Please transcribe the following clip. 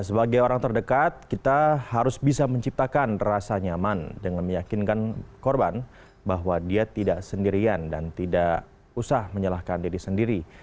sebagai orang terdekat kita harus bisa menciptakan rasa nyaman dengan meyakinkan korban bahwa dia tidak sendirian dan tidak usah menyalahkan diri sendiri